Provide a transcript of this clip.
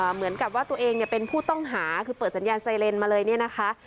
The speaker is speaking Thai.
เหมือนกับว่าตัวเองเนี่ยเป็นผู้ต้องหาคือเปิดสัญญาณไซเลนมาเลยเนี่ยนะคะ